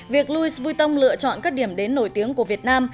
việc louis vuitton lựa chọn các điểm đến nổi tiếng của việt nam